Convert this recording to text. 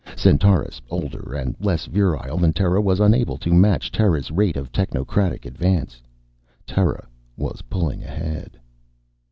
Centaurus, older and less virile than Terra, was unable to match Terra's rate of technocratic advance. Terra was pulling ahead.